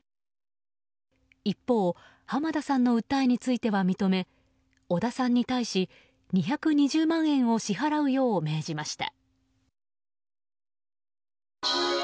一方濱田さんの訴えについては認め織田さんに対し、２２０万円を支払うよう命じました。